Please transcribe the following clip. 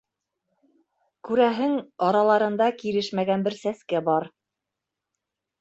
Күрәһең, араларында килешмәгән бер сәскә бар.